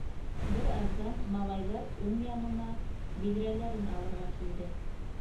Бер аҙҙан малайҙар өң янына биҙрәләрен алырға килде.